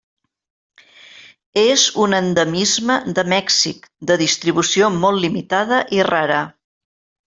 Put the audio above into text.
És un endemisme de Mèxic de distribució molt limitada i rara.